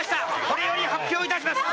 これより発表いたします。